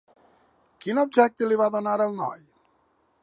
Quin objecte li va donar el noi?